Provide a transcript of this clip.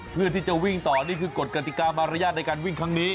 เพื่อที่จะวิ่งต่อนี่คือกฎกติกามารยาทในการวิ่งครั้งนี้